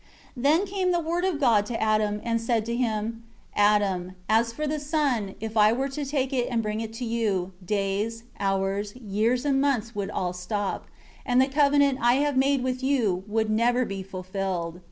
9 Then came the Word of God to Adam, and said to him, "Adam, as for the sun, if I were to take it and bring it to you, days, hours, years and months would all stop, and the covenant I have made with you, would never be fulfilled.